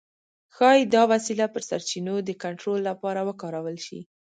ښايي دا وسیله پر سرچینو د کنټرول لپاره وکارول شي.